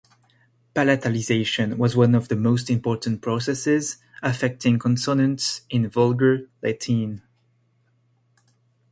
Palatalization was one of the most important processes affecting consonants in Vulgar Latin.